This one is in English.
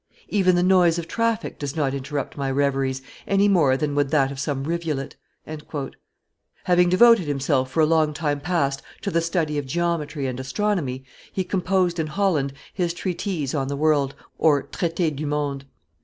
Even the noise of traffic does not interrupt my reveries any more than would that of some rivulet." Having devoted himself for a long time past to the study of geometry and astronomy, he composed in Holland his Treatise on the World (Traite du Monde).